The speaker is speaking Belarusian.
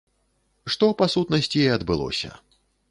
Што па сутнасці і адбылося.